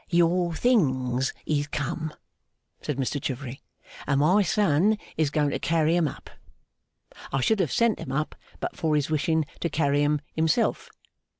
'Your things is come,' said Mr Chivery, 'and my son is going to carry 'em up. I should have sent 'em up but for his wishing to carry 'em himself.